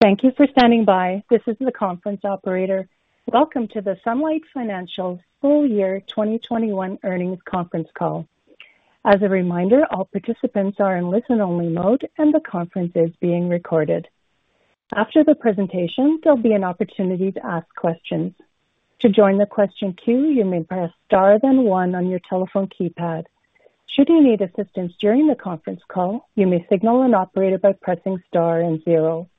Thank you for standing by. This is the conference operator. Welcome to the Sunlight Financial full year 2021 earnings conference call. As a reminder, all participants are in listen-only mode, and the conference is being recorded. After the presentation, there'll be an opportunity to ask questions. To join the question queue, you may press star then one on your telephone keypad. Should you need assistance during the conference call, you may signal an operator by pressing star and zero.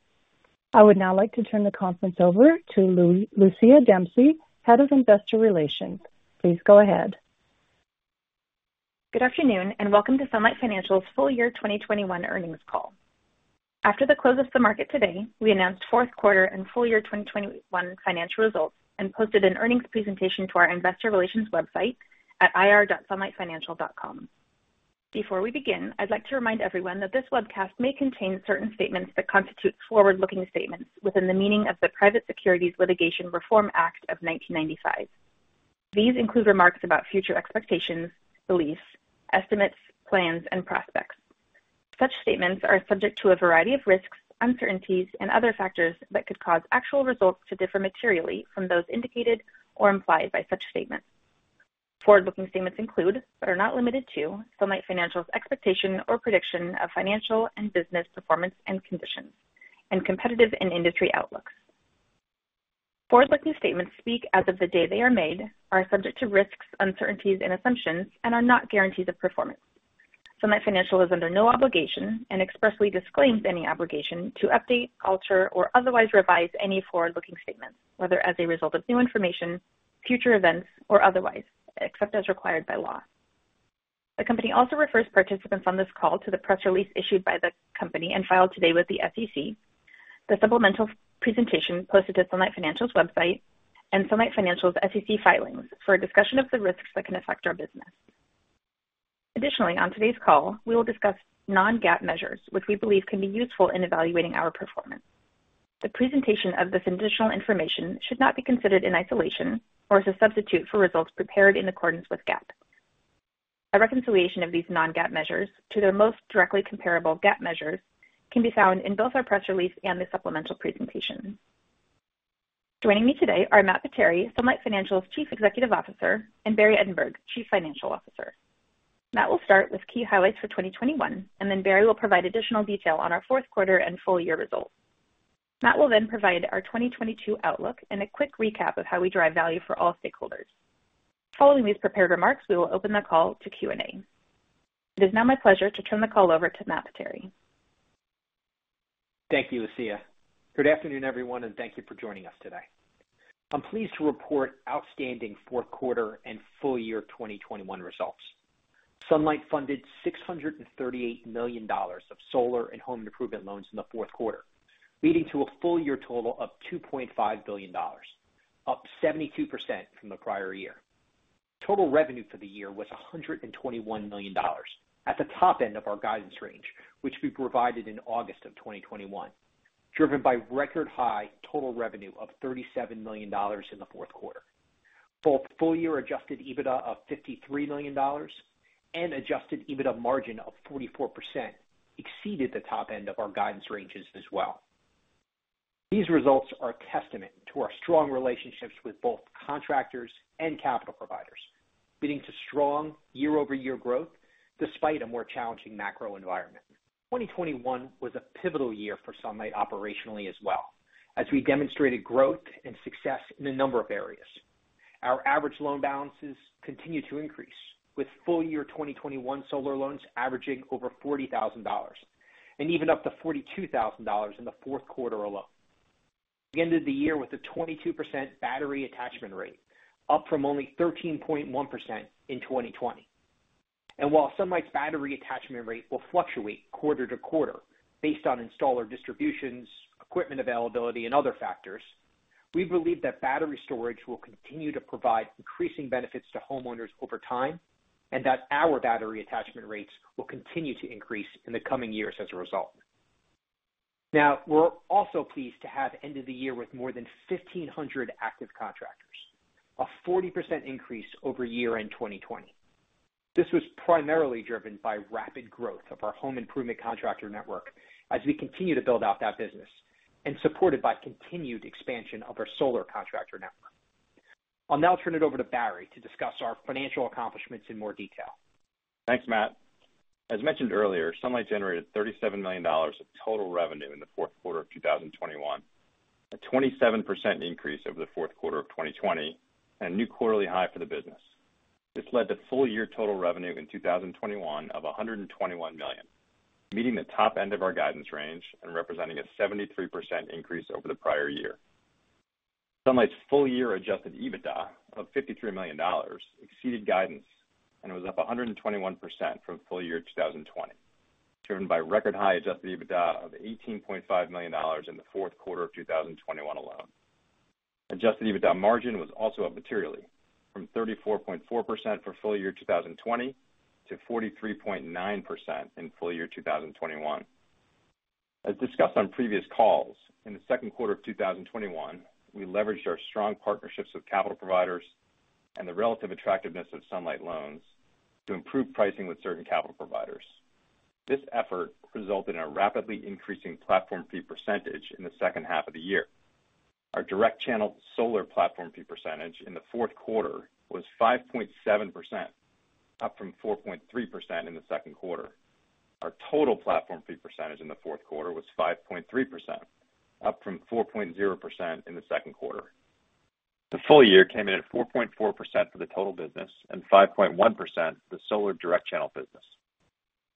I would now like to turn the conference over to Lucia Dempsey, Head of Investor Relations. Please go ahead. Good afternoon and welcome to Sunlight Financial's full year 2021 earnings call. After the close of the market today, we announced fourth quarter and full year 2021 financial results and posted an earnings presentation to our investor relations website at ir.sunlightfinancial.com. Before we begin, I'd like to remind everyone that this webcast may contain certain statements that constitute forward-looking statements within the meaning of the Private Securities Litigation Reform Act of 1995. These include remarks about future expectations, beliefs, estimates, plans and prospects. Such statements are subject to a variety of risks, uncertainties and other factors that could cause actual results to differ materially from those indicated or implied by such statements. Forward-looking statements include, but are not limited to, Sunlight Financial's expectation or prediction of financial and business performance and conditions and competitive and industry outlooks. Forward-looking statements speak as of the day they are made, are subject to risks, uncertainties and assumptions and are not guarantees of performance. Sunlight Financial is under no obligation and expressly disclaims any obligation to update, alter or otherwise revise any forward-looking statements, whether as a result of new information, future events or otherwise, except as required by law. The company also refers participants on this call to the press release issued by the company and filed today with the SEC, the supplemental presentation posted to Sunlight Financial's website, and Sunlight Financial's SEC filings for a discussion of the risks that can affect our business. Additionally, on today's call, we will discuss non-GAAP measures which we believe can be useful in evaluating our performance. The presentation of this additional information should not be considered in isolation or as a substitute for results prepared in accordance with GAAP. A reconciliation of these non-GAAP measures to their most directly comparable GAAP measures can be found in both our press release and the supplemental presentation. Joining me today are Matt Potere, Sunlight Financial's Chief Executive Officer, and Barry Edinburg, Chief Financial Officer. Matt will start with key highlights for 2021, and then Barry will provide additional detail on our fourth quarter and full year results. Matt will then provide our 2022 outlook and a quick recap of how we drive value for all stakeholders. Following these prepared remarks, we will open the call to Q&A. It is now my pleasure to turn the call over to Matt Potere. Thank you, Lucia. Good afternoon, everyone, and thank you for joining us today. I'm pleased to report outstanding fourth quarter and full year 2021 results. Sunlight funded $638 million of solar and home improvement loans in the fourth quarter, leading to a full year total of $2.5 billion, up 72% from the prior year. Total revenue for the year was $121 million at the top end of our guidance range, which we provided in August 2021, driven by record high total revenue of $37 million in the fourth quarter. Both full year adjusted EBITDA of $53 million and adjusted EBITDA margin of 44% exceeded the top end of our guidance ranges as well. These results are a testament to our strong relationships with both contractors and capital providers, leading to strong year-over-year growth despite a more challenging macro environment. 2021 was a pivotal year for Sunlight operationally as well as we demonstrated growth and success in a number of areas. Our average loan balances continue to increase, with full year 2021 solar loans averaging over $40,000 and even up to $42,000 in the fourth quarter alone. We ended the year with a 22% battery attachment rate, up from only 13.1% in 2020. While Sunlight's battery attachment rate will fluctuate quarter to quarter based on installer distributions, equipment availability and other factors, we believe that battery storage will continue to provide increasing benefits to homeowners over time and that our battery attachment rates will continue to increase in the coming years as a result. Now we're also pleased to have ended the year with more than 1,500 active contractors, a 40% increase over year-end in 2020. This was primarily driven by rapid growth of our home improvement contractor network as we continue to build out that business and supported by continued expansion of our solar contractor network. I'll now turn it over to Barry to discuss our financial accomplishments in more detail. Thanks, Matt. As mentioned earlier, Sunlight generated $37 million of total revenue in the fourth quarter of 2021, a 27% increase over the fourth quarter of 2020 and a new quarterly high for the business. This led to full year total revenue in 2021 of $121 million, meeting the top end of our guidance range and representing a 73% increase over the prior year. Sunlight's full year adjusted EBITDA of $53 million exceeded guidance and was up 121% from full year 2020, driven by record high adjusted EBITDA of $18.5 million in the fourth quarter of 2021 alone. Adjusted EBITDA margin was also up materially from 34.4% for full year 2020 to 43.9% in full year 2021. As discussed on previous calls, in the second quarter of 2021, we leveraged our strong partnerships with capital providers. The relative attractiveness of Sunlight loans to improve pricing with certain capital providers. This effort resulted in a rapidly increasing platform fee percentage in the second half of the year. Our direct channel solar platform fee percentage in the fourth quarter was 5.7%, up from 4.3% in the second quarter. Our total platform fee percentage in the fourth quarter was 5.3%, up from 4.0% in the second quarter. The full year came in at 4.4% for the total business and 5.1% the solar direct channel business.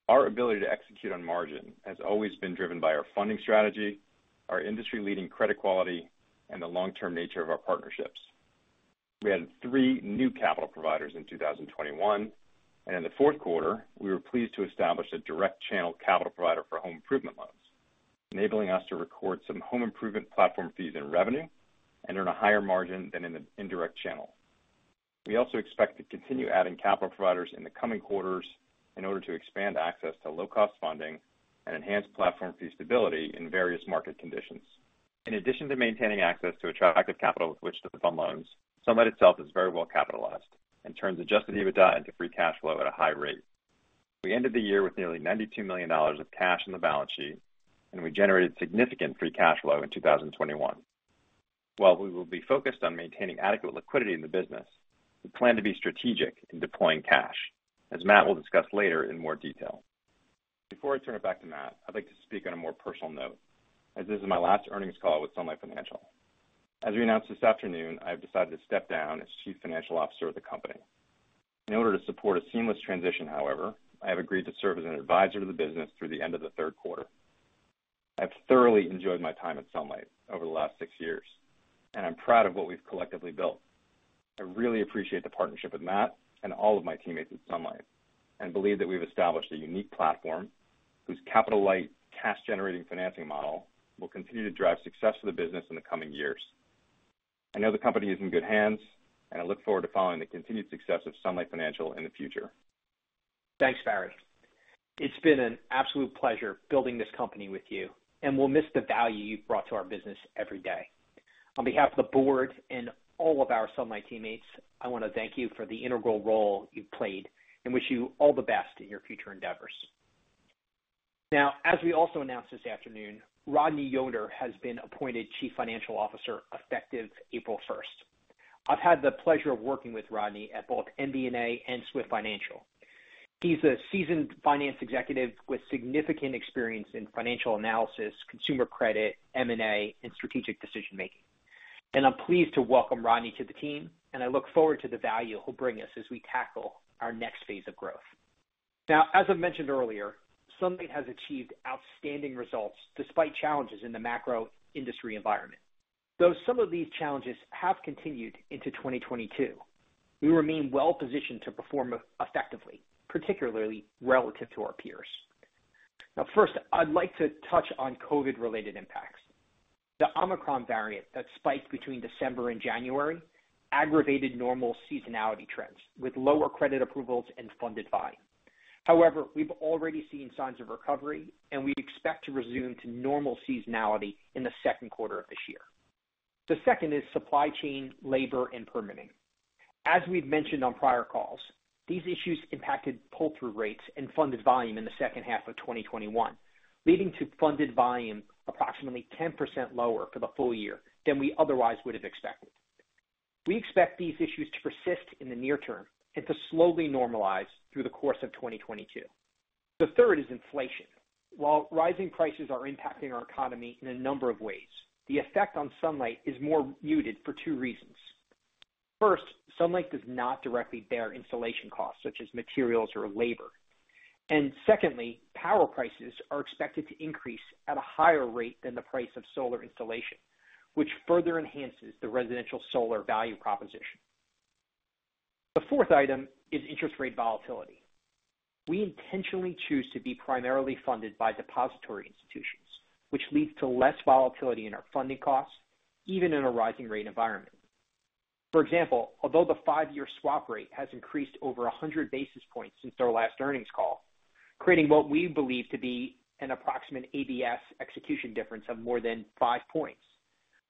Our ability to execute on margin has always been driven by our funding strategy, our industry-leading credit quality, and the long-term nature of our partnerships. We added three new capital providers in 2021, and in the fourth quarter, we were pleased to establish a direct channel capital provider for home improvement loans, enabling us to record some home improvement platform fees in revenue and earn a higher margin than in the indirect channel. We also expect to continue adding capital providers in the coming quarters in order to expand access to low-cost funding and enhance platform fee stability in various market conditions. In addition to maintaining access to attractive capital with which to fund loans, Sunlight itself is very well capitalized and turns adjusted EBITDA into free cash flow at a high rate. We ended the year with nearly $92 million of cash on the balance sheet, and we generated significant free cash flow in 2021. While we will be focused on maintaining adequate liquidity in the business, we plan to be strategic in deploying cash, as Matt will discuss later in more detail. Before I turn it back to Matt, I'd like to speak on a more personal note, as this is my last earnings call with Sunlight Financial. As we announced this afternoon, I have decided to step down as Chief Financial Officer of the company. In order to support a seamless transition, however, I have agreed to serve as an advisor to the business through the end of the third quarter. I've thoroughly enjoyed my time at Sunlight over the last six years, and I'm proud of what we've collectively built. I really appreciate the partnership with Matt and all of my teammates at Sunlight and believe that we've established a unique platform whose capital-light, cash-generating financing model will continue to drive success for the business in the coming years. I know the company is in good hands, and I look forward to following the continued success of Sunlight Financial in the future. Thanks, Barry. It's been an absolute pleasure building this company with you, and we'll miss the value you've brought to our business every day. On behalf of the board and all of our Sunlight teammates, I want to thank you for the integral role you've played and wish you all the best in your future endeavors. Now, as we also announced this afternoon, Rodney Yoder has been appointed Chief Financial Officer effective April 1st. I've had the pleasure of working with Rodney at both MBNA and Swift Financial. He's a seasoned finance executive with significant experience in financial analysis, consumer credit, M&A, and strategic decision-making. I'm pleased to welcome Rodney to the team, and I look forward to the value he'll bring us as we tackle our next phase of growth. Now, as I mentioned earlier, Sunlight has achieved outstanding results despite challenges in the macro industry environment. Though some of these challenges have continued into 2022, we remain well positioned to perform effectively, particularly relative to our peers. Now first, I'd like to touch on COVID-related impacts. The Omicron variant that spiked between December and January aggravated normal seasonality trends with lower credit approvals and funded volume. However, we've already seen signs of recovery, and we expect to resume to normal seasonality in the second quarter of this year. The second is supply chain labor and permitting. As we've mentioned on prior calls, these issues impacted pull-through rates and funded volume in the second half of 2021, leading to funded volume approximately 10% lower for the full year than we otherwise would have expected. We expect these issues to persist in the near-term and to slowly normalize through the course of 2022. The third is inflation. While rising prices are impacting our economy in a number of ways, the effect on Sunlight is more muted for two reasons. First, Sunlight does not directly bear installation costs such as materials or labor. Secondly, power prices are expected to increase at a higher rate than the price of solar installation, which further enhances the residential solar value proposition. The fourth item is interest rate volatility. We intentionally choose to be primarily funded by depository institutions, which leads to less volatility in our funding costs, even in a rising rate environment. For example, although the five-year swap rate has increased over 100 basis points since our last earnings call, creating what we believe to be an approximate ABS execution difference of more than 5 points,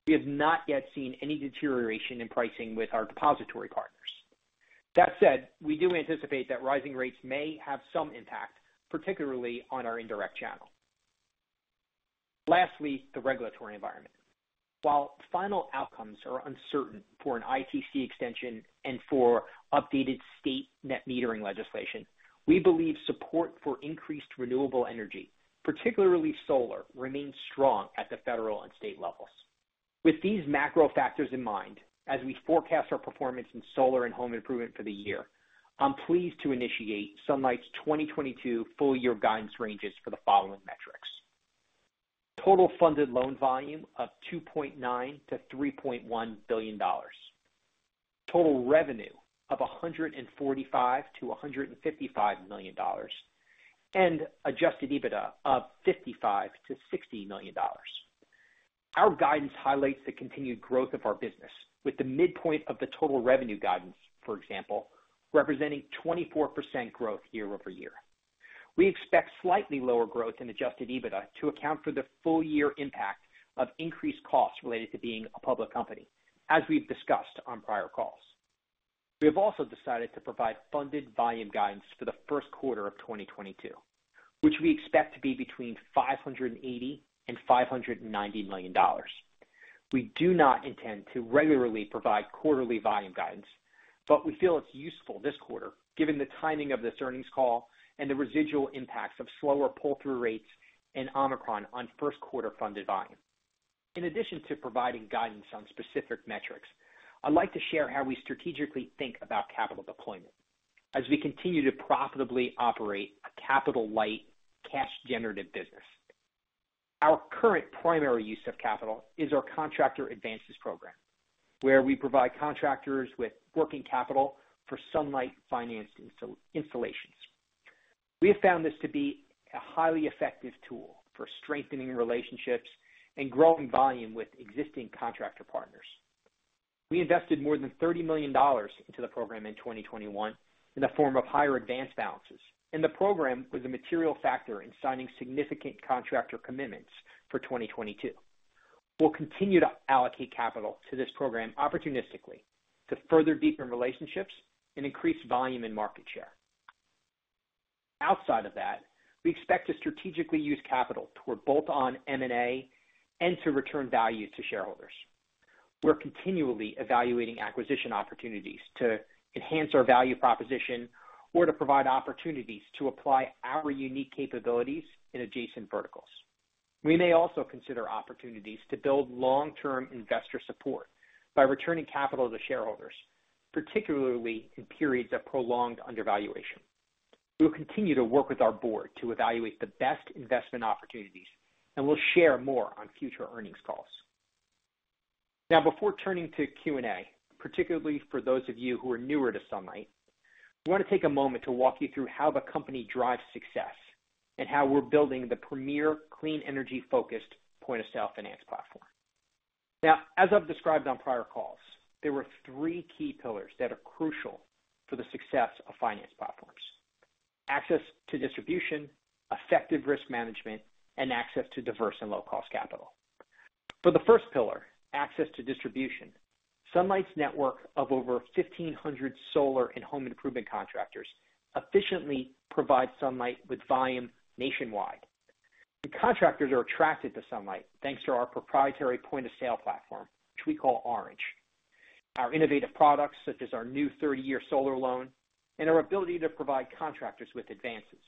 we have not yet seen any deterioration in pricing with our depository partners. That said, we do anticipate that rising rates may have some impact, particularly on our indirect channel. Lastly, the regulatory environment. While final outcomes are uncertain for an ITC extension and for updated state net metering legislation, we believe support for increased renewable energy, particularly solar, remains strong at the federal and state levels. With these macro factors in mind, as we forecast our performance in solar and home improvement for the year, I'm pleased to initiate Sunlight's 2022 full year guidance ranges for the following metrics. Total funded loan volume of $2.9 billion-$3.1 billion. Total revenue of $145 million-$155 million. And adjusted EBITDA of $55 million-$60 million. Our guidance highlights the continued growth of our business with the midpoint of the total revenue guidance, for example, representing 24% growth year-over-year. We expect slightly lower growth in adjusted EBITDA to account for the full year impact of increased costs related to being a public company, as we've discussed on prior calls. We have also decided to provide funded volume guidance for the first quarter of 2022, which we expect to be between $580 million and $590 million. We do not intend to regularly provide quarterly volume guidance, but we feel it's useful this quarter given the timing of this earnings call and the residual impacts of slower pull through rates and Omicron on first quarter funded volume. In addition to providing guidance on specific metrics, I'd like to share how we strategically think about capital deployment as we continue to profitably operate a capital-light cash generative business. Our current primary use of capital is our contractor advances program, where we provide contractors with working capital for Sunlight financed installations. We have found this to be a highly effective tool for strengthening relationships and growing volume with existing contractor partners. We invested more than $30 million into the program in 2021 in the form of higher advanced balances, and the program was a material factor in signing significant contractor commitments for 2022. We'll continue to allocate capital to this program opportunistically to further deepen relationships and increase volume and market share. Outside of that, we expect to strategically use capital toward both M&A and to return value to shareholders. We're continually evaluating acquisition opportunities to enhance our value proposition or to provide opportunities to apply our unique capabilities in adjacent verticals. We may also consider opportunities to build long-term investor support by returning capital to shareholders, particularly in periods of prolonged undervaluation. We will continue to work with our board to evaluate the best investment opportunities, and we'll share more on future earnings calls. Now, before turning to Q&A, particularly for those of you who are newer to Sunlight, we want to take a moment to walk you through how the company drives success and how we're building the premier clean energy-focused point-of-sale finance platform. Now, as I've described on prior calls, there were three key pillars that are crucial for the success of finance platforms, access to distribution, effective risk management, and access to diverse and low-cost capital. For the first pillar, access to distribution, Sunlight's network of over 1,500 solar and home improvement contractors efficiently provide Sunlight with volume nationwide. The contractors are attracted to Sunlight thanks to our proprietary point-of-sale platform, which we call Orange, our innovative products, such as our new 30-year solar loan and our ability to provide contractors with advances.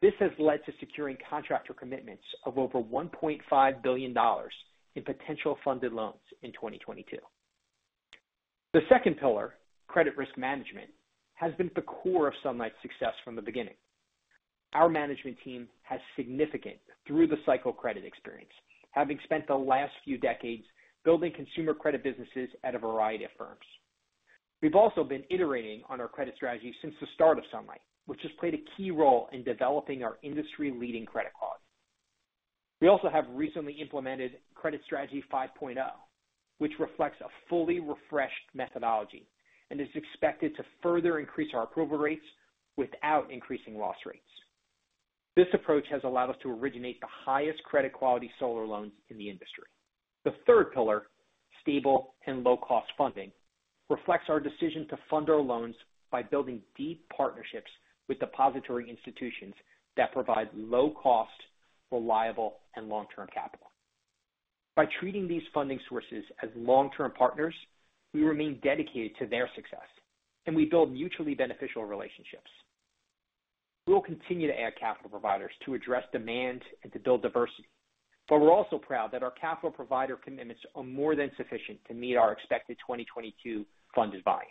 This has led to securing contractor commitments of over $1.5 billion in potential funded loans in 2022. The second pillar, credit risk management, has been at the core of Sunlight's success from the beginning. Our management team has significant through the cycle credit experience, having spent the last few decades building consumer credit businesses at a variety of firms. We've also been iterating on our credit strategy since the start of Sunlight, which has played a key role in developing our industry-leading credit clause. We also have recently implemented Credit Strategy 5.0, which reflects a fully refreshed methodology and is expected to further increase our approval rates without increasing loss rates. This approach has allowed us to originate the highest credit quality solar loans in the industry. The third pillar, stable and low-cost funding, reflects our decision to fund our loans by building deep partnerships with depository institutions that provide low cost, reliable, and long-term capital. By treating these funding sources as long-term partners, we remain dedicated to their success, and we build mutually beneficial relationships. We will continue to add capital providers to address demand and to build diversity, but we're also proud that our capital provider commitments are more than sufficient to meet our expected 2022 funded volume.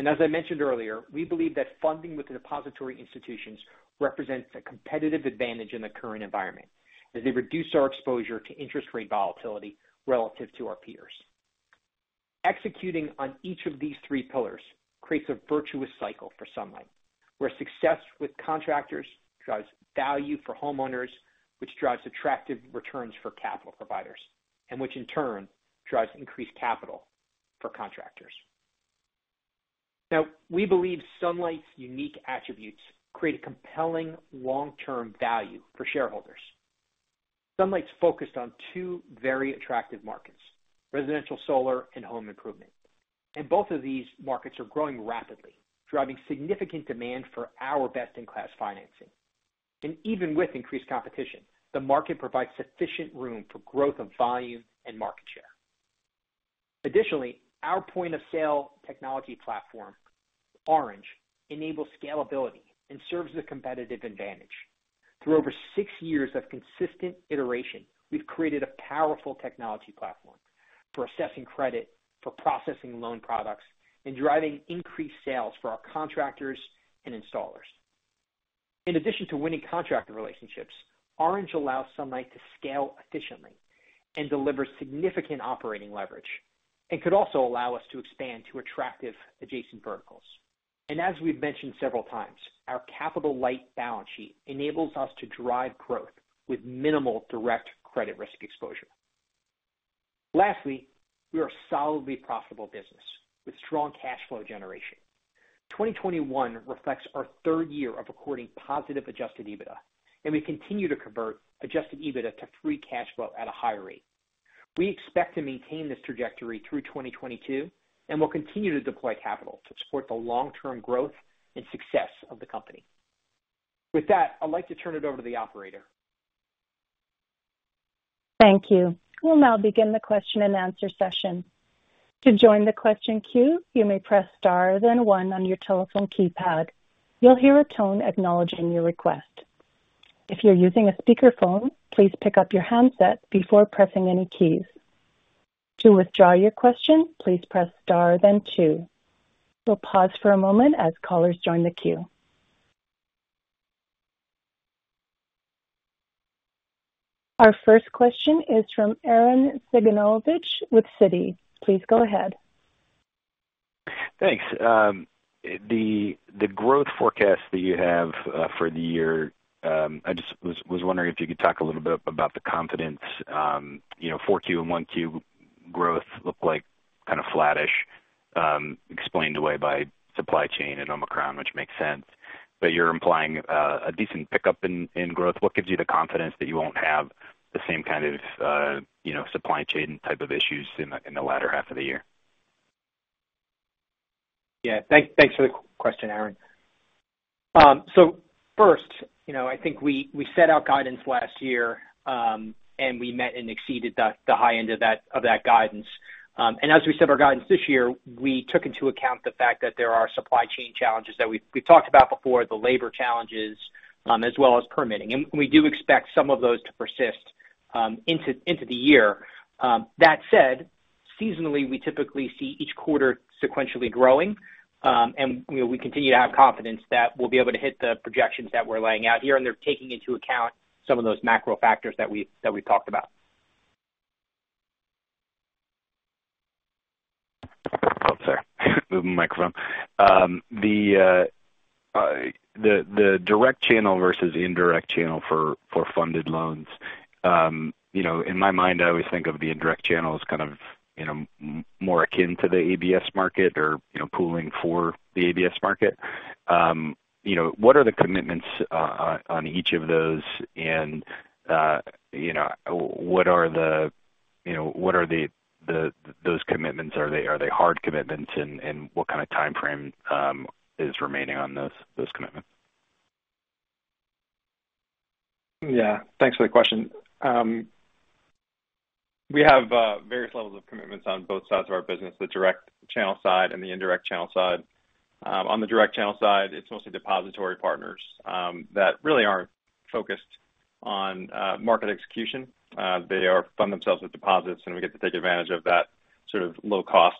As I mentioned earlier, we believe that funding with depository institutions represents a competitive advantage in the current environment as they reduce our exposure to interest rate volatility relative to our peers. Executing on each of these three pillars creates a virtuous cycle for Sunlight, where success with contractors drives value for homeowners, which drives attractive returns for capital providers, and which in turn drives increased capital for contractors. Now, we believe Sunlight's unique attributes create a compelling long-term value for shareholders. Sunlight's focused on two very attractive markets, residential solar and home improvement. Both of these markets are growing rapidly, driving significant demand for our best-in-class financing. Even with increased competition, the market provides sufficient room for growth of volume and market share. Additionally, our point of sale technology platform, Orange, enables scalability and serves as a competitive advantage. Through over six years of consistent iteration, we've created a powerful technology platform for assessing credit, for processing loan products, and driving increased sales for our contractors and installers. In addition to winning contractor relationships, Orange allows Sunlight to scale efficiently and deliver significant operating leverage, and could also allow us to expand to attractive adjacent verticals. As we've mentioned several times, our capital light balance sheet enables us to drive growth with minimal direct credit risk exposure. Lastly, we are a solidly profitable business with strong cash flow generation. 2021 reflects our third year of recording positive adjusted EBITDA, and we continue to convert adjusted EBITDA to free cash flow at a high rate. We expect to maintain this trajectory through 2022, and we'll continue to deploy capital to support the long-term growth and success of the company. With that, I'd like to turn it over to the operator. Thank you. We'll now begin the question-and-answer session. To join the question queue, you may press star then one on your telephone keypad. You'll hear a tone acknowledging your request. If you're using a speakerphone, please pick up your handset before pressing any keys. To withdraw your question, please press star then two. We'll pause for a moment as callers join the queue. Our first question is from Arren Cyganovich with Citi. Please go ahead. Thanks. The growth forecast that you have for the year, I just was wondering if you could talk a little bit about the confidence, you know, Q4 and Q1 growth look like kind of flattish, explained away by supply chain and Omicron, which makes sense. But you're implying a decent pickup in growth. What gives you the confidence that you won't have the same kind of, you know, supply chain type of issues in the latter half of the year? Yeah. Thanks for the question, Arren. First, you know, I think we set our guidance last year, and we met and exceeded the high end of that guidance. As we set our guidance this year, we took into account the fact that there are supply chain challenges that we've talked about before, the labor challenges, as well as permitting. We do expect some of those to persist into the year. That said, seasonally, we typically see each quarter sequentially growing, and you know, we continue to have confidence that we'll be able to hit the projections that we're laying out here, and they're taking into account some of those macro factors that we've talked about. Oh, sorry. Moving the microphone. The direct channel versus indirect channel for funded loans. You know, in my mind, I always think of the indirect channel as kind of more akin to the ABS market or pooling for the ABS market. You know, what are the commitments on each of those? You know, what are those commitments? Are they hard commitments? What kind of timeframe is remaining on those commitments? Yeah. Thanks for the question. We have various levels of commitments on both sides of our business, the direct channel side and the indirect channel side. On the direct channel side, it's mostly depository partners that really are focused on market execution. They fund themselves with deposits, and we get to take advantage of that sort of low cost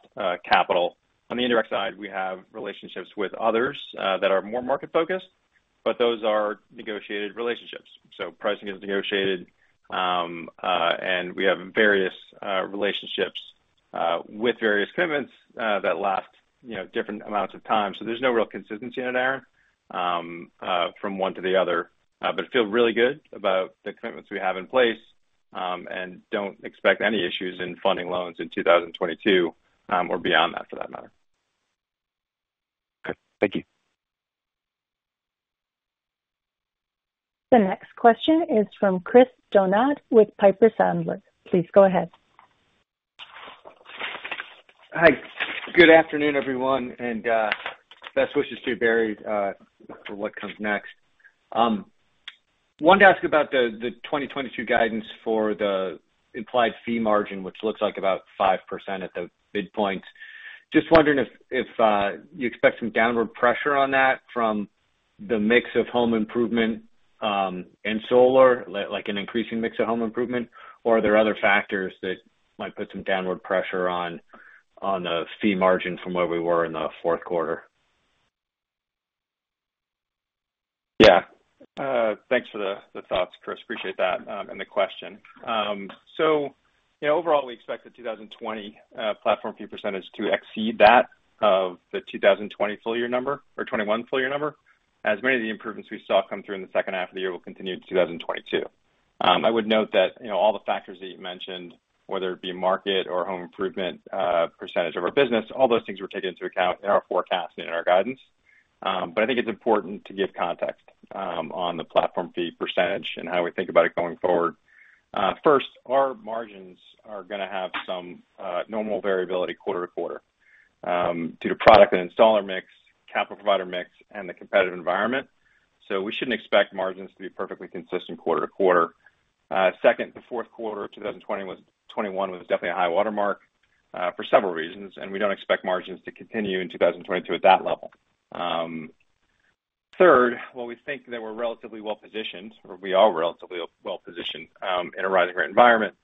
capital. On the indirect side, we have relationships with others that are more market-focused, but those are negotiated relationships. Pricing is negotiated, and we have various relationships with various commitments that last, you know, different amounts of time. There's no real consistency in it, Arren, from one to the other. Feel really good about the commitments we have in place, and don't expect any issues in funding loans in 2022, or beyond that for that matter. Okay. Thank you. The next question is from Chris Donat with Piper Sandler. Please go ahead. Hi. Good afternoon, everyone, and best wishes to you, Barry, for what comes next. Wanted to ask about the 2022 guidance for the implied fee margin, which looks like about 5% at the midpoint. Just wondering if you expect some downward pressure on that from the mix of home improvement and solar, like an increasing mix of home improvement, or are there other factors that might put some downward pressure on the fee margin from where we were in the fourth quarter? Yeah. Thanks for the thoughts, Chris. Appreciate that and the question. Yeah, overall, we expect the 2022 platform fee percentage to exceed that of the 2021 full year number, as many of the improvements we saw come through in the second half of the year will continue to 2022. I would note that, you know, all the factors that you mentioned, whether it be market or home improvement percentage of our business, all those things were taken into account in our forecast and in our guidance. I think it's important to give context on the platform fee percentage and how we think about it going forward. First, our margins are gonna have some normal variability quarter to quarter due to product and installer mix, capital provider mix, and the competitive environment. We shouldn't expect margins to be perfectly consistent quarter to quarter. Second, the fourth quarter of 2021 was definitely a high watermark for several reasons, and we don't expect margins to continue in 2022 at that level. Third, while we are relatively well-positioned in a rising rate environment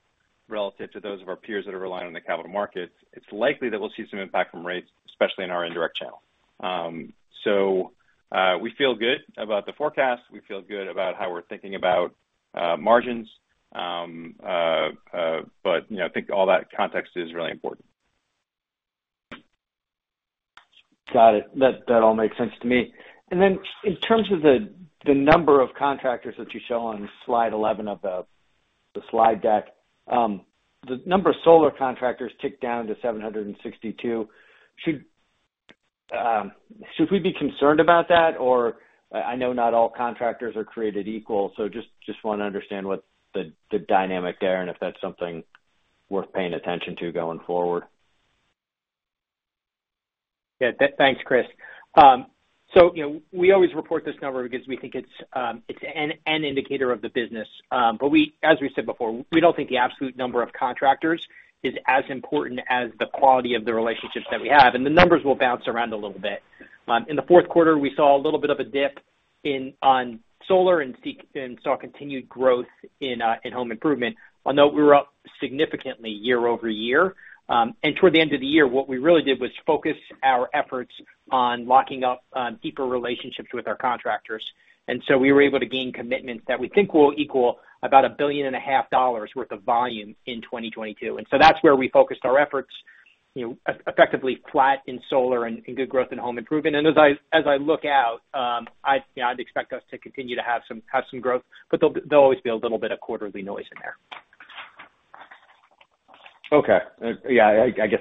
relative to those of our peers that are relying on the capital markets, it's likely that we'll see some impact from rates, especially in our indirect channel. We feel good about the forecast. We feel good about how we're thinking about margins. You know, I think all that context is really important. Got it. That all makes sense to me. Then in terms of the number of contractors that you show on slide 11 of the slide deck, the number of solar contractors ticked down to 762. Should we be concerned about that? Or I know not all contractors are created equal, so just wanna understand what the dynamic there and if that's something worth paying attention to going forward. Yeah. Thanks, Chris. So, you know, we always report this number because we think it's an indicator of the business. But as we said before, we don't think the absolute number of contractors is as important as the quality of the relationships that we have, and the numbers will bounce around a little bit. In the fourth quarter, we saw a little bit of a dip in solar and saw continued growth in home improvement, although we were up significantly year-over-year. Toward the end of the year, what we really did was focus our efforts on locking up deeper relationships with our contractors. We were able to gain commitments that we think will equal about $1.5 billion worth of volume in 2022. That's where we focused our efforts, you know, effectively flat in solar and good growth in home improvement. As I look out, I'd expect us to continue to have some growth, but there'll always be a little bit of quarterly noise in there. Okay. Yeah, I guess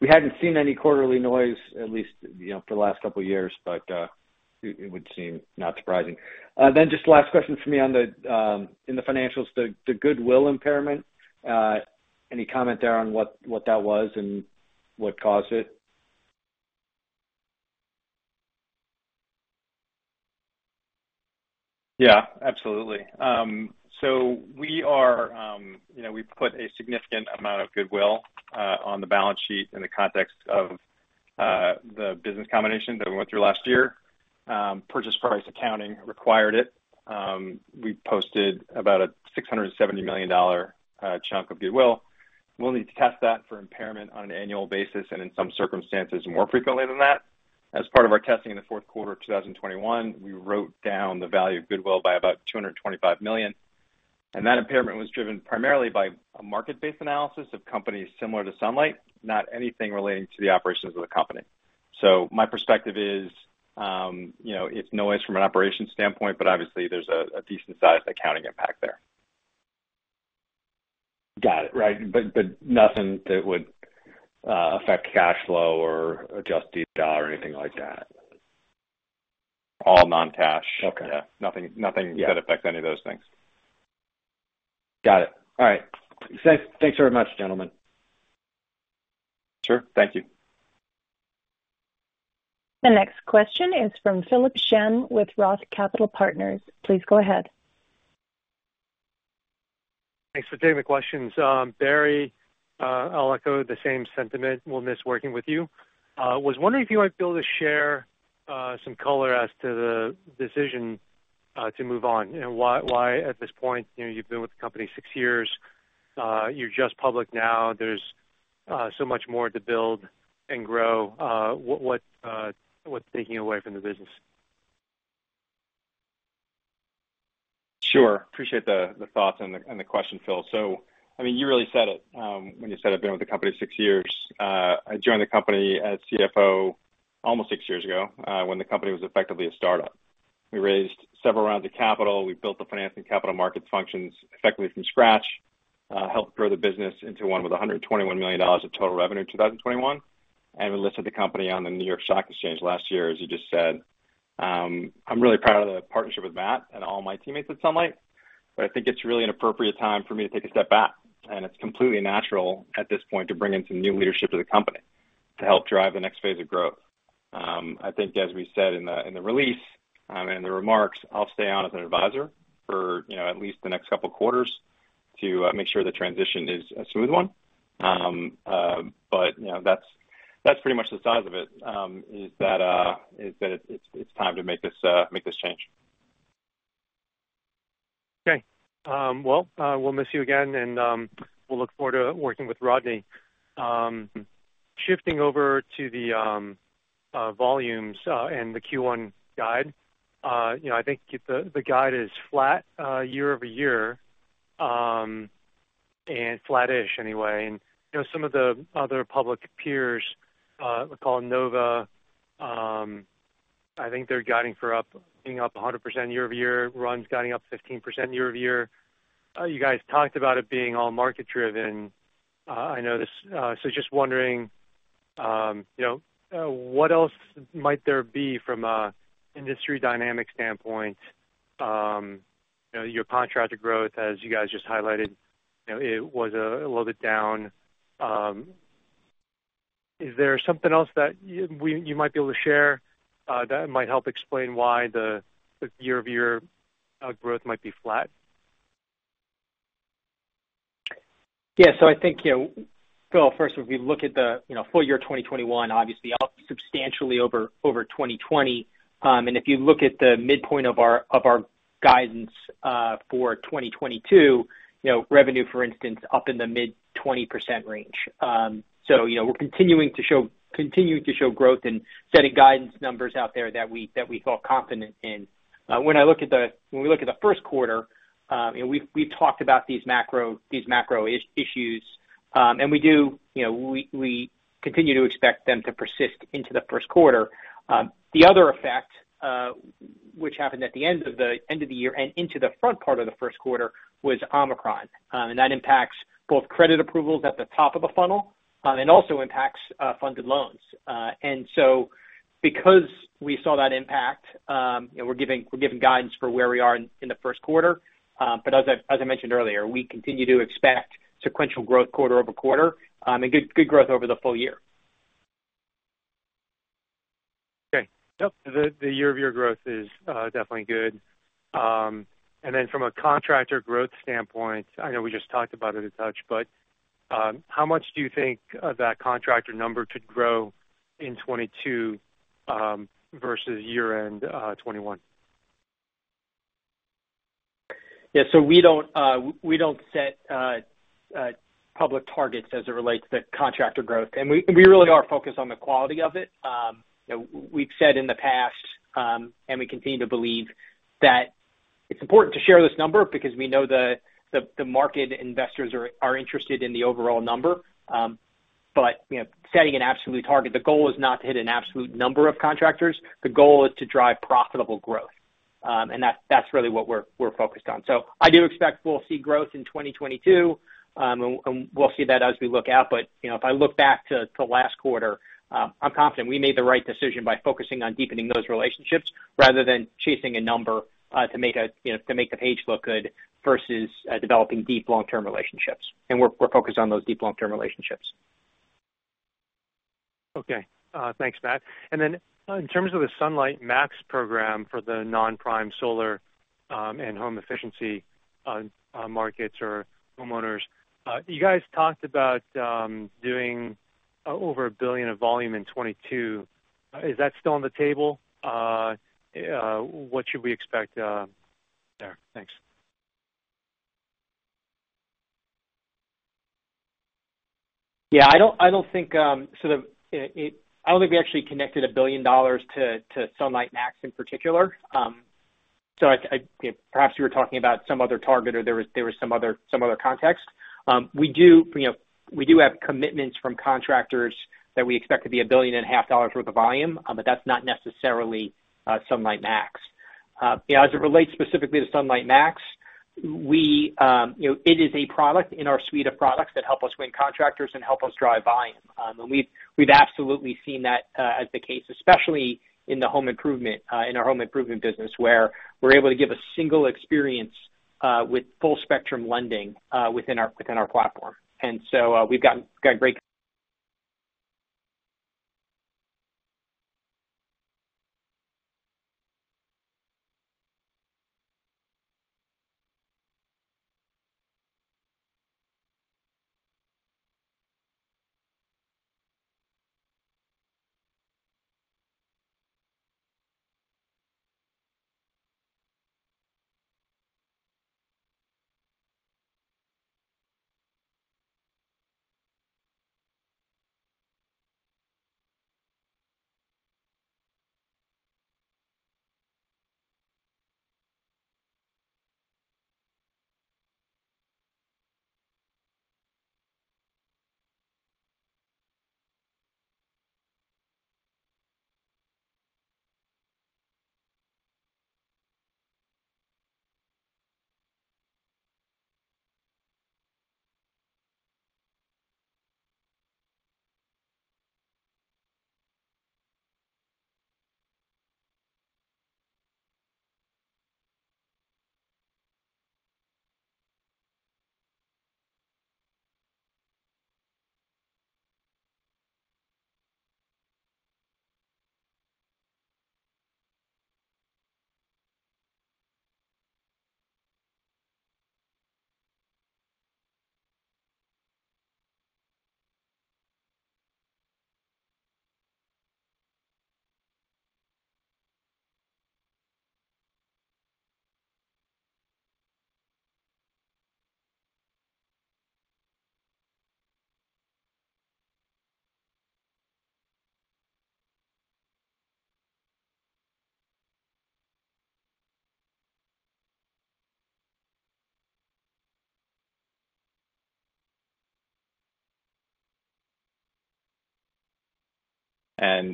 we hadn't seen any quarterly noise at least, you know, for the last couple of years, but it would seem not surprising. Just last question for me in the financials, the goodwill impairment. Any comment there on what that was and what caused it? Yeah, absolutely. We are, you know, we put a significant amount of goodwill on the balance sheet in the context of the business combination that we went through last year. Purchase price accounting required it. We posted about a $670 million chunk of goodwill. We'll need to test that for impairment on an annual basis and in some circumstances, more frequently than that. As part of our testing in the fourth quarter of 2021, we wrote down the value of goodwill by about $225 million. That impairment was driven primarily by a market-based analysis of companies similar to Sunlight, not anything relating to the operations of the company. My perspective is, you know, it's noise from an operations standpoint, but obviously there's a decent sized accounting impact there. Got it. Right. Nothing that would affect cash flow or adjusted EBITDA or anything like that? All non-cash. Okay. Yeah. Nothing. Yeah. that affects any of those things. Got it. All right. Thanks, thanks very much, gentlemen. Sure. Thank you. The next question is from Philip Shen with ROTH Capital Partners. Please go ahead. Thanks for taking the questions. Barry, I'll echo the same sentiment. We'll miss working with you. I was wondering if you might be able to share some color as to the decision to move on. You know, why at this point? You know, you've been with the company six years. We're just public now. There's so much more to build and grow. What's taking you away from the business? Sure. Appreciate the thoughts and the question, Phil. I mean, you really said it, when you said I've been with the company six years. I joined the company as CFO almost six years ago, when the company was effectively a startup. We raised several rounds of capital. We built the finance and capital markets functions effectively from scratch, helped grow the business into one with $121 million of total revenue in 2021, and we listed the company on the New York Stock Exchange last year, as you just said. I'm really proud of the partnership with Matt and all my teammates at Sunlight, but I think it's really an appropriate time for me to take a step back, and it's completely natural at this point to bring in some new leadership to the company to help drive the next phase of growth. I think as we said in the release, and in the remarks, I'll stay on as an advisor for, you know, at least the next couple quarters to make sure the transition is a smooth one. But you know, that's pretty much the size of it, that it's time to make this change. Okay. Well, we'll miss you again, and we'll look forward to working with Rodney. Shifting over to the volumes and the Q1 guide. You know, I think the guide is flat year-over-year and flattish anyway. You know, some of the other public peers, we call Sunnova, I think they're guiding for being up 100% year-over-year. Sunrun's guiding up 15% year-over-year. You guys talked about it being all market-driven. I know this, so just wondering, you know, what else might there be from an industry dynamic standpoint? You know, your contracted growth, as you guys just highlighted, you know, it was a little bit down. Is there something else that you might be able to share that might help explain why the year-over-year growth might be flat? I think, you know, Phil, first, if we look at the full year 2021, obviously up substantially over 2020. If you look at the midpoint of our guidance for 2022, you know, revenue, for instance, up in the mid-20% range. We're continuing to show growth and setting guidance numbers out there that we felt confident in. When we look at the first quarter, and we've talked about these macro issues, and we continue to expect them to persist into the first quarter. The other effect, which happened at the end of the year and into the front part of the first quarter was Omicron. That impacts both credit approvals at the top of the funnel and also impacts funded loans. Because we saw that impact, you know, we're giving guidance for where we are in the first quarter. As I mentioned earlier, we continue to expect sequential growth quarter-over-quarter and good growth over the full year. Okay. Yep. The year-over-year growth is definitely good. And then from a contractor growth standpoint, I know we just talked about it a touch, but how much do you think that contractor number could grow in 2022 versus year-end 2021? Yeah. We don't set public targets as it relates to contractor growth. We really are focused on the quality of it. You know, we've said in the past, and we continue to believe that it's important to share this number because we know the market investors are interested in the overall number. You know, setting an absolute target, the goal is not to hit an absolute number of contractors. The goal is to drive profitable growth. That's really what we're focused on. I do expect we'll see growth in 2022. We'll see that as we look out. You know, if I look back to last quarter, I'm confident we made the right decision by focusing on deepening those relationships rather than chasing a number, you know, to make the page look good versus developing deep long-term relationships. We're focused on those deep long-term relationships. Okay. Thanks, Matt. In terms of the Sunlight Maxx program for the non-prime solar and home efficiency markets or homeowners, you guys talked about doing over $1 billion of volume in 2022. Is that still on the table? What should we expect there? Thanks. I don't think we actually connected $1 billion to Sunlight Maxx in particular. You know, perhaps you were talking about some other target or there was some other context. We do have commitments from contractors that we expect to be $1.5 billion worth of volume, but that's not necessarily Sunlight Maxx. You know, as it relates specifically to Sunlight Maxx, it is a product in our suite of products that help us win contractors and help us drive volume. We've absolutely seen that as the case, especially in the home improvement business, where we're able to give a single experience with full spectrum lending within our platform.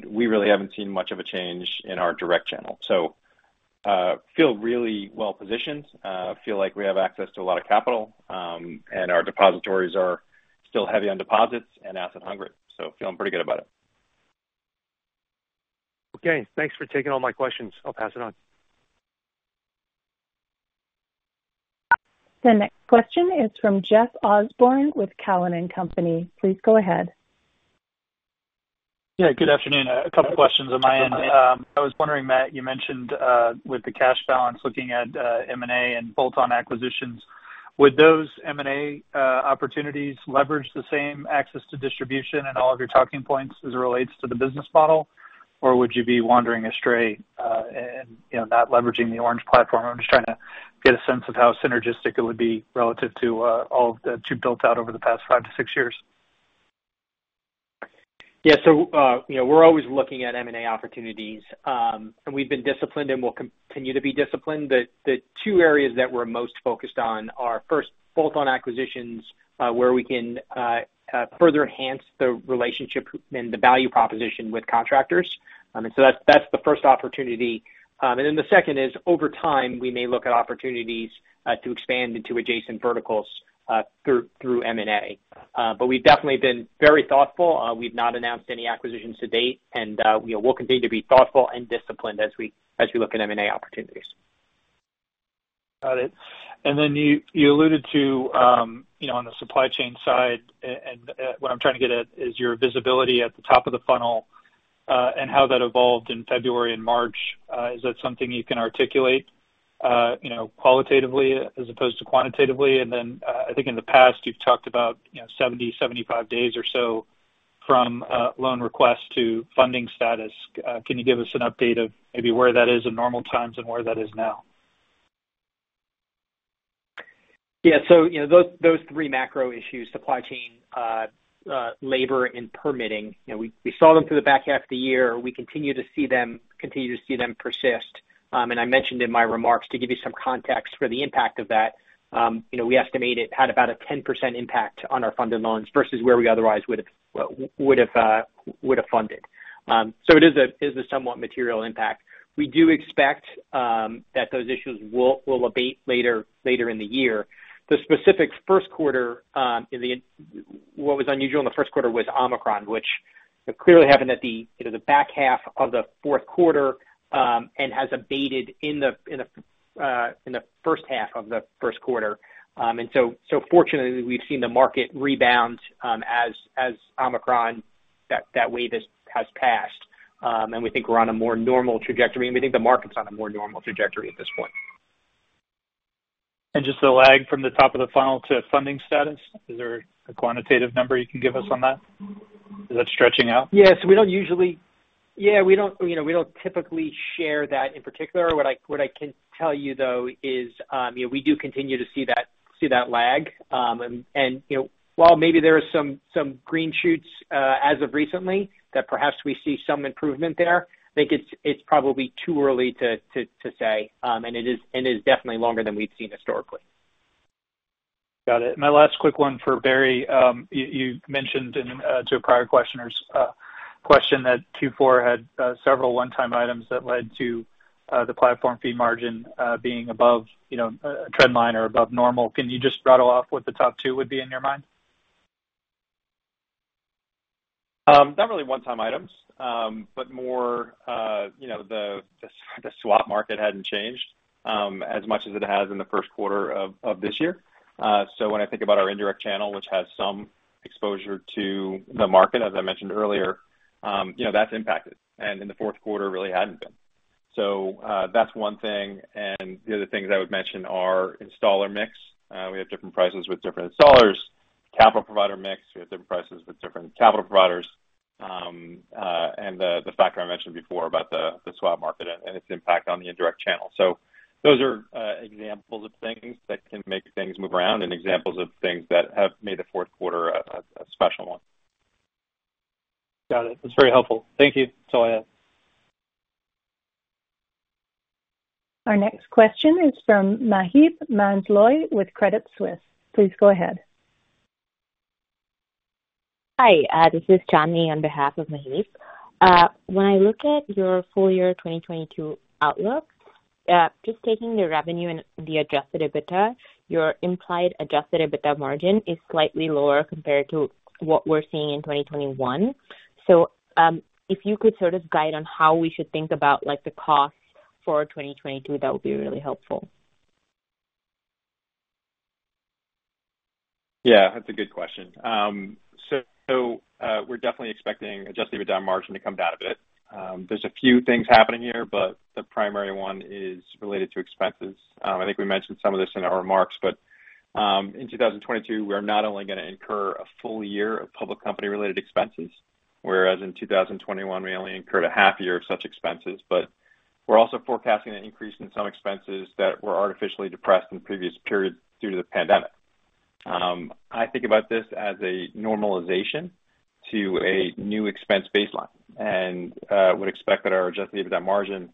We really haven't seen much of a change in our direct channel. We feel really well positioned, feel like we have access to a lot of capital, and our depositories are still heavy on deposits and asset hungry. We're feeling pretty good about it. Okay. Thanks for taking all my questions. I'll pass it on. The next question is from Jeff Osborne with Cowen and Company. Please go ahead. Yeah, good afternoon. A couple questions on my end. I was wondering, Matt, you mentioned with the cash balance looking at M&A and bolt-on acquisitions. Would those M&A opportunities leverage the same access to distribution and all of your talking points as it relates to the business model, or would you be wandering astray and, you know, not leveraging the Orange platform? I'm just trying to get a sense of how synergistic it would be relative to all that you've built out over the past five to six years. Yeah. you know, we're always looking at M&A opportunities. We've been disciplined and we'll continue to be disciplined. The two areas that we're most focused on are first, bolt-on acquisitions, where we can further enhance the relationship and the value proposition with contractors. I mean, that's the first opportunity. Then the second is, over time, we may look at opportunities to expand into adjacent verticals through M&A. We've definitely been very thoughtful. We've not announced any acquisitions to date, and you know, we'll continue to be thoughtful and disciplined as we look at M&A opportunities. Got it. You alluded to, you know, on the supply chain side, and what I'm trying to get at is your visibility at the top of the funnel, and how that evolved in February and March. Is that something you can articulate, you know, qualitatively as opposed to quantitatively? I think in the past, you've talked about, you know, 75 days or so from a loan request to funding status. Can you give us an update of maybe where that is in normal times and where that is now? You know, those three macro issues, supply chain, labor and permitting, you know, we saw them through the back half of the year. We continue to see them persist. I mentioned in my remarks to give you some context for the impact of that. You know, we estimate it had about a 10% impact on our funded loans versus where we otherwise would have funded. It is a somewhat material impact. We do expect that those issues will abate later in the year. What was unusual in the first quarter was Omicron, which clearly happened at the, you know, the back half of the fourth quarter, and has abated in the first half of the first quarter. Fortunately, we've seen the market rebound, as Omicron, that wave has passed. We think we're on a more normal trajectory, and we think the market's on a more normal trajectory at this point. Just the lag from the top of the funnel to funding status. Is there a quantitative number you can give us on that? Is that stretching out? Yeah, we don't, you know, we don't typically share that in particular. What I can tell you, though, is you know, we do continue to see that lag. You know, while maybe there are some green shoots as of recently that perhaps we see some improvement there, I think it's probably too early to say. It is definitely longer than we've seen historically. Got it. My last quick one for Barry. You mentioned in to a prior questioner's question that Q4 had several one-time items that led to the platform fee margin being above, you know, trend line or above normal. Can you just rattle off what the top two would be in your mind? Not really one-time items. More, you know, the swap market hadn't changed as much as it has in the first quarter of this year. When I think about our indirect channel, which has some exposure to the market, as I mentioned earlier, you know, that's impacted. In the fourth quarter really hadn't been. That's one thing. The other things I would mention are installer mix. We have different prices with different installers. Capital provider mix. We have different prices with different capital providers. The factor I mentioned before about the swap market and its impact on the indirect channel. Those are examples of things that can make things move around and examples of things that have made the fourth quarter a special one. Got it. That's very helpful. Thank you. That's all I have. Our next question is from Maheep Mandloi with Credit Suisse. Please go ahead. Hi, this is Chandni on behalf of Maheep. When I look at your full year 2022 outlook, just taking the revenue and the adjusted EBITDA, your implied adjusted EBITDA margin is slightly lower compared to what we're seeing in 2021. If you could sort of guide on how we should think about like the costs for 2022, that would be really helpful. Yeah, that's a good question. We're definitely expecting adjusted EBITDA margin to come down a bit. There's a few things happening here, but the primary one is related to expenses. I think we mentioned some of this in our remarks, but in 2022, we are not only gonna incur a full year of public company-related expenses, whereas in 2021 we only incurred a half year of such expenses. We're also forecasting an increase in some expenses that were artificially depressed in previous periods due to the pandemic. I think about this as a normalization to a new expense baseline and would expect that our adjusted EBITDA margin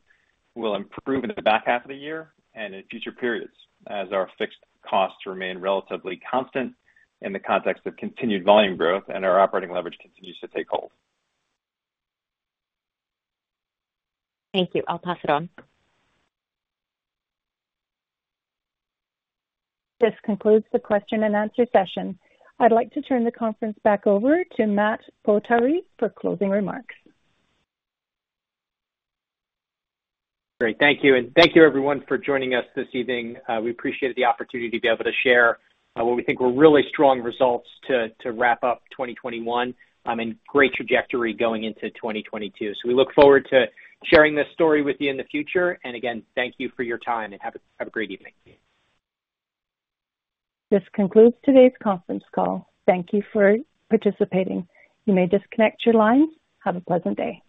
will improve in the back half of the year and in future periods as our fixed costs remain relatively constant in the context of continued volume growth and our operating leverage continues to take hold. Thank you. I'll pass it on. This concludes the question and answer session. I'd like to turn the conference back over to Matt Potere for closing remarks. Great. Thank you. Thank you everyone for joining us this evening. We appreciate the opportunity to be able to share what we think were really strong results to wrap up 2021, and great trajectory going into 2022. We look forward to sharing this story with you in the future. Again, thank you for your time, and have a great evening. This concludes today's conference call. Thank you for participating. You may disconnect your lines. Have a pleasant day.